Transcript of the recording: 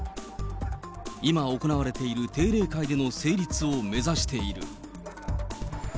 今行われている定例会での成立を目指している。